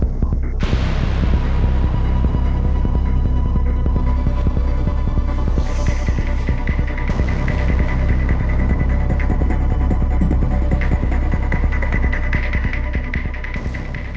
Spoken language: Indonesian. klo memiliki keruupan perburuai yang